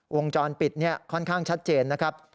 วงจรปิดค่อนข้างชัดเจนนะครับ